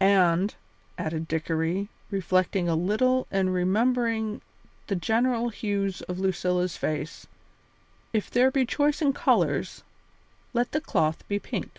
"And," added Dickory, reflecting a little and remembering the general hues of Lucilla's face, "if there be choice in colours, let the cloth be pink."